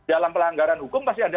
dalam pelanggaran hukum pasti ada